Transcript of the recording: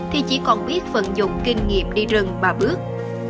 thì chỉ còn biết vận dụng kinh nghiệm đi rừng mà bước